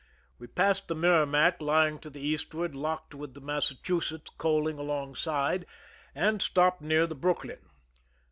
We passed, the MerrimaCj lying to the eastward, locked with the Massachusetts coaling alongside, and stopped near the Brooklyn.